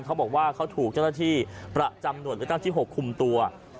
เขาบอกว่าเขาถูกเจ้าหน้าที่ประจำหน่วยเลือกตั้งที่๖คุมตัว